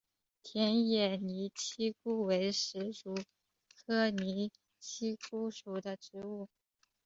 田野拟漆姑为石竹科拟漆姑属的植物。